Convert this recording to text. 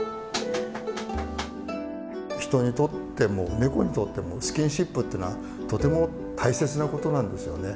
人にとってもネコにとってもスキンシップっていうのはとても大切なことなんですよね。